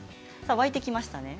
沸いてきましたね。